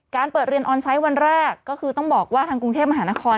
เปิดเรียนออนไซต์วันแรกก็คือต้องบอกว่าทางกรุงเทพมหานคร